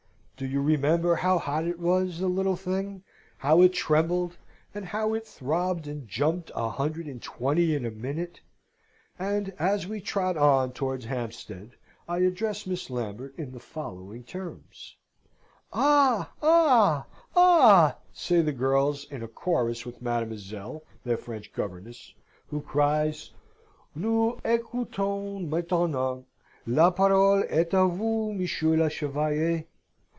Do you remember how hot it was, the little thing, how it trembled, and how it throbbed and jumped a hundred and twenty in a minute? And as we trot on towards Hampstead, I address Miss Lambert in the following terms " "Ah, ah, ah!" say the girls in a chorus with mademoiselle, their French governess, who cries, "Nous ecoutons maintenant. La parole est a vous, Monsieur le Chevalier!"